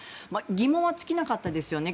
疑問は尽きなかったですよね。